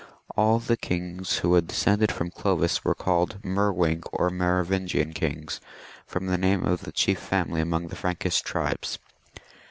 All the kings who had descended from Clovis were called Merwing or Merovingian kings, from the name of the chief family among the Frankish tribes.